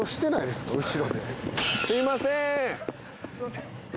すいません！